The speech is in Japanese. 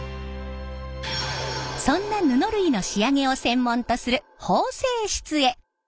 そんな布類の仕上げを専門とする縫製室へ。